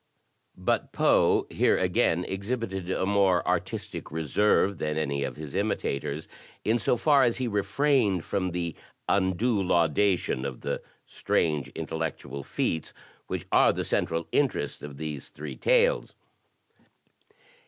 But Poe here again exhibited a more artistic reserve than any of his imitators, in so far as he refrained from the undue laudation of the strange intel .*t^>. APPLIED PRINCIPLES I03 lectual feats which are the central interest of these three tales.